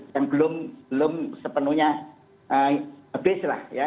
yang belum sepenuhnya habis lah ya